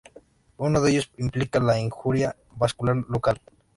Uno de ellos implica la injuria vascular local.